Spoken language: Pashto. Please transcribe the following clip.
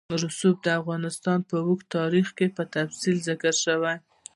رسوب د افغانستان په اوږده تاریخ کې په تفصیل ذکر شوی.